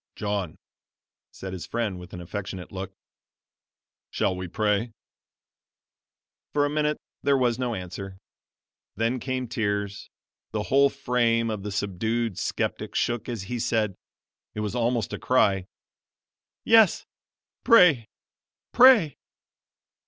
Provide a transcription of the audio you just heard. "John," said his friend, with an affectionate look, "shall we pray?" For a minute there was no answer then came tears; the whole frame of the subdued skeptic shook as he said it was almost a cry: "Yes, pray, pray!"